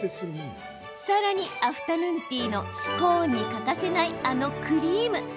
さらに、アフタヌーンティーのスコーンに欠かせないあのクリーム。